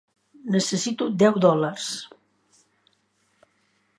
Necessito deu dòlars.